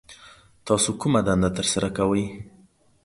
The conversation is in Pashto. تاسو کومه دنده ترسره کوي